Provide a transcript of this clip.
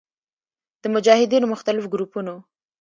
د مجاهدینو مختلف ګروپونو